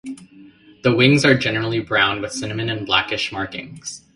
The wings are gnerally brown with cinnamon and blackish markings.